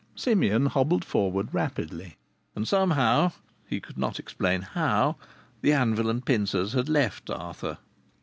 Simeon hobbled forward rapidly, and somehow (he could not explain how) the anvil and pincers had left Arthur.